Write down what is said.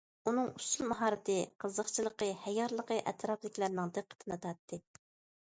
ئۇنىڭ ئۇسسۇل ماھارىتى، قىزىقچىلىقى، ھەييارلىقى ئەتراپىدىكىلەرنىڭ دىققىتىنى تارتتى.